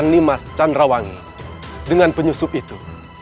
nimas chandrawangi dengan penyusup itu